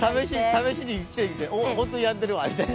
試しに来てみて、本当にやんでるわみたいな。